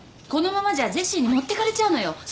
このままじゃジェシーに持ってかれちゃうのよ。